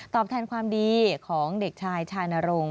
ตอบทานความดีของเด็กชายชานรงค์